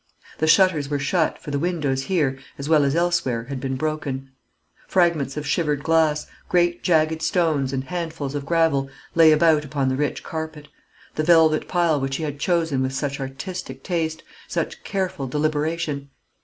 The shutters were shut, for the windows here, as well as elsewhere, had been broken; fragments of shivered glass, great jagged stones, and handfuls of gravel, lay about upon the rich carpet, the velvet pile which he had chosen with such artistic taste, such careful deliberation.